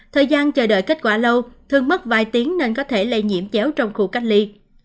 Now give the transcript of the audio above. thời gian chờ đợi kết quả lâu thường mất vài tiếng nên có thể lây nhiễm chéo trong khu cách ly